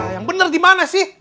yang bener dimana sih